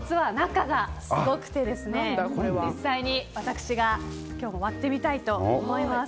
こちらも実は中がすごくて実際に私が割ってみたいと思います。